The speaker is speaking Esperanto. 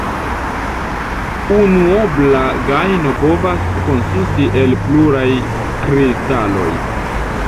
Unuobla grajno povas konsisti el pluraj kristaloj.